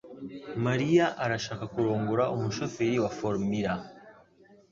Mariya arashaka kurongora umushoferi wa Formula .